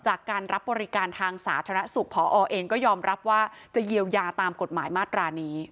จากการรับบริการทางสาธารณสุขพอเองก็ยอมรับว่าจะเยียวยาตามกฎหมายมาตรานี้